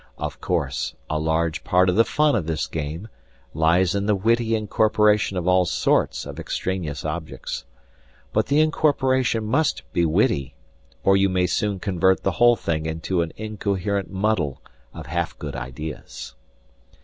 Of course, a large part of the fun of this game lies in the witty incorporation of all sorts of extraneous objects. But the incorporation must be witty, or you may soon convert the whole thing into an incoherent muddle of half good ideas.